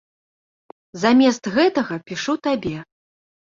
Замест гэтага пішу табе.